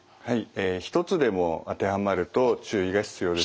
え一つでも当てはまると注意が必要です。